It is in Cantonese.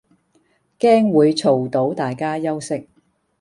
驚會嘈到大家休息